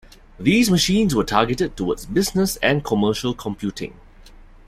These machines were targeted towards business and commercial computing.